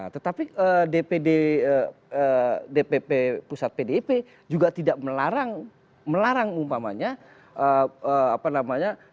tetapi dpp pusat pdp juga tidak melarang melarang umpamanya